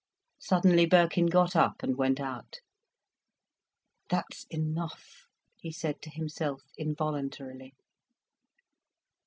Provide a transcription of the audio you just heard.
Suddenly Birkin got up and went out. "That's enough," he said to himself involuntarily.